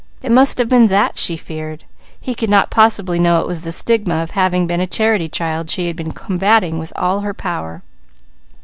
It must have been that she feared. He could not possibly know it was the stigma of having been a charity child she had been combating with all her power.